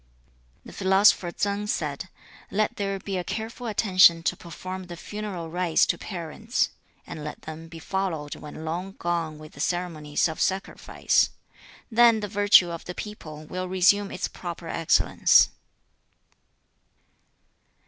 The philosopher Tsang said, 'Let there be a careful attention to perform the funeral rites to parents, and let them be followed when long gone with the ceremonies of sacrifice; then the virtue of the people will resume its proper excellence.'